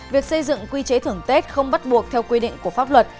việc xây dựng quy chế thưởng tết không bắt buộc theo quy định của pháp luật